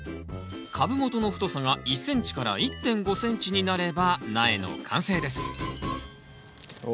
株元の太さが１ｃｍから１．５ｃｍになれば苗の完成ですお。